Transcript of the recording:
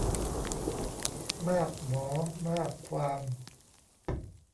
มากหมอมากความ